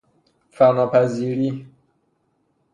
فنا پذیری